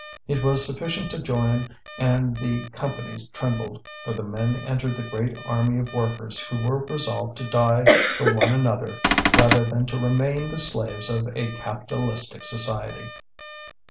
It was sufficient to join and the companies trembled, for the men entered the great army of workers who were resolved to die for one another rather than to remain the slaves of a capitalistic society.